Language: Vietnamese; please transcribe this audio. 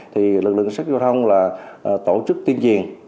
thì lực lượng sách giao thông là tổ chức tiên triền